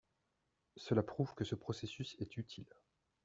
Cela prouve que ce processus est utile.